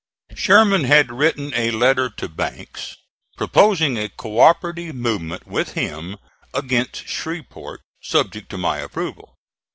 Sherman had written a letter to Banks, proposing a co operative movement with him against Shreveport, subject to my approval.